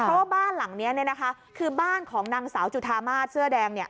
เพราะว่าบ้านหลังนี้เนี่ยนะคะคือบ้านของนางสาวจุธามาศเสื้อแดงเนี่ย